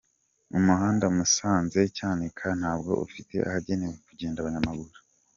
Umuhanda Musanze-Cyanika ntabwo ufite ahagenewe kugenda abanyamaguru.